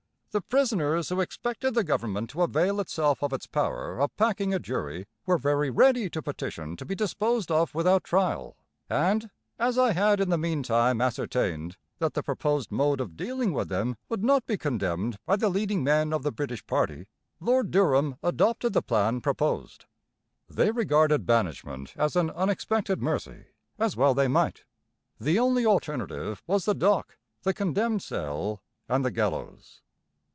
'The prisoners who expected the government to avail itself of its power of packing a jury were very ready to petition to be disposed of without trial, and as I had in the meantime ascertained that the proposed mode of dealing with them would not be condemned by the leading men of the British party, Lord Durham adopted the plan proposed.' They regarded banishment as an unexpected mercy, as well they might. The only alternative was the dock, the condemned cell, and the gallows.